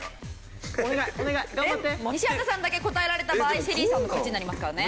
西畑さんだけ答えられた場合ＳＨＥＬＬＹさんの勝ちになりますからね。